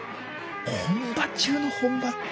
本場中の本場。